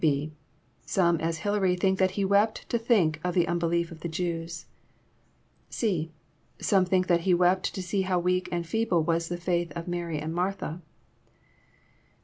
(&) Some, as Hilary, think that He wept to think of the unbelief of the Jews. (c) Some think that He wept to see how weak and feeble was the faith of Mary and Martha.